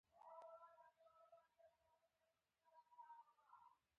زه کلی کې اوسیږم